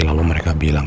lalu mereka bilang